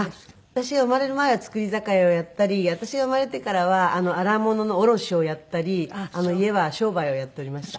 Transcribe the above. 私が生まれる前は造り酒屋をやったり私が生まれてからは荒物の卸をやったり家は商売をやっておりました。